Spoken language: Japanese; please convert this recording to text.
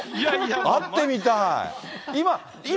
会ってみたい。